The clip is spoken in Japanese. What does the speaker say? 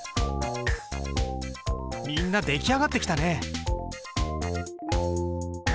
みんな出来上がってきたね。